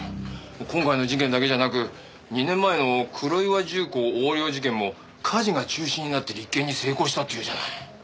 今回の事件だけじゃなく２年前の黒岩重工横領事件も梶が中心になって立件に成功したっていうじゃない。